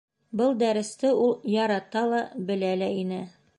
Был дәресте ул ярата ла, белә лә ине.